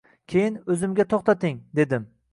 Keyin, o'zimga, to'xtating dedim